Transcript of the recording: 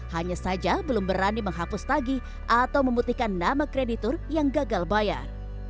hanya saja belum berani menghapus tagi atau memutihkan nama kreditur yang gagal bayar